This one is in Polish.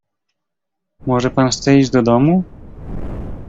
"Może pan chce iść do domu?"